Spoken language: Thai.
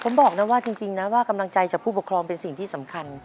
ผมบอกนะว่าจริงนะว่ากำลังใจจากผู้ปกครองเป็นสิ่งที่สำคัญ